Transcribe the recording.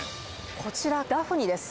こちらダフニです。